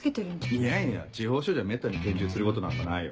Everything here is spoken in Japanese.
いやいや地方署じゃめったに拳銃つることなんかないよ。